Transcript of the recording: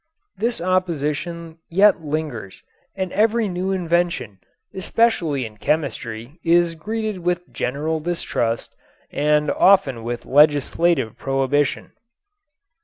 This opposition yet lingers and every new invention, especially in chemistry, is greeted with general distrust and often with legislative prohibition.